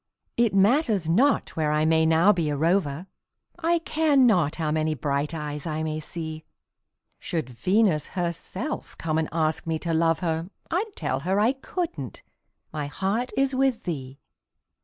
It matters not where I may now be a rover, I care not how many bright eyes I may see; Should Venus herself come and ask me to love her, I'd tell her I couldn't my heart is with thee.